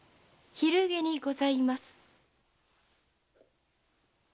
昼食にございます。